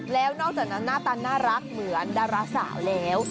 แล้วนอกจากนั้นหน้าตาน่ารักเหมือนดาราสาวแล้ว